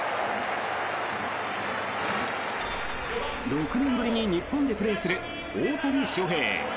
６年ぶりに日本でプレーする大谷翔平。